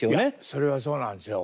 それはそうなんですよ。